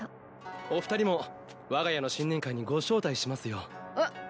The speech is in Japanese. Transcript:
お二人もわが家の新年会にご招待しますよ。